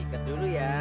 dikit dulu ya